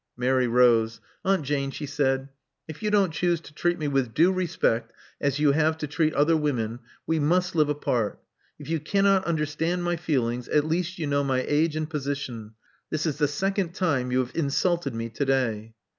Mary rose. '*Aunt Jane,'* she said, '*if you don't choose to treat me with due respect, as you have to treat other women, we must live apart. If you cannot understand my feelings, at least you know my age and position. This is the second time you have insulted me to day."